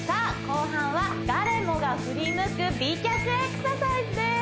後半は誰もが振り向く美脚エクササイズです